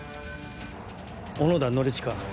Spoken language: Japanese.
小野田則親。